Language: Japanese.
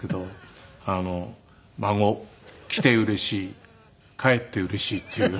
孫来てうれしい帰ってうれしいっていう。